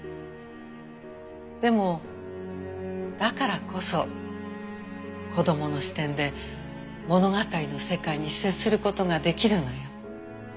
でもだからこそ子供の視点で物語の世界に接する事が出来るのよ。